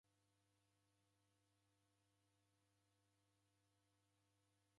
Sigha mavuda dideke nagho